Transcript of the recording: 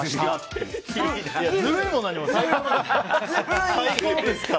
ずるいも何もサイコロですから。